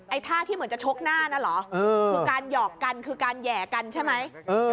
ท่าที่เหมือนจะชกหน้านั่นเหรอคือการหยอกกันคือการแห่กันใช่ไหม